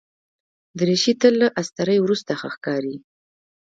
دریشي تل له استري وروسته ښه ښکاري.